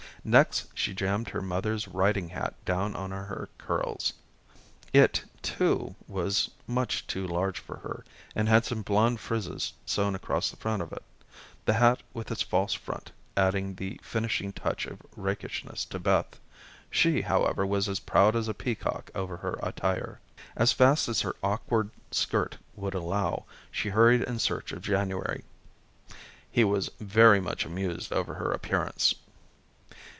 Next, she jammed her mother's riding hat down on her curls. It, too, was much too large for her, and had some blond frizzes sewn across the front of it. The hat with its false front added the finishing touch of rakishness to Beth. She, however, was as proud as a peacock over her attire. As fast as her awkward skirt would allow, she hurried in search of January. He was very much amused over her appearance.